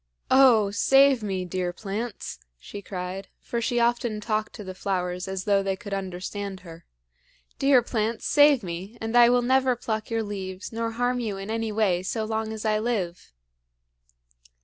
"Oh, save me, dear plants!" she cried, for she often talked to the flowers as though they could understand her. "Dear plants, save me; and I will never pluck your leaves nor harm you in any way so long as I live."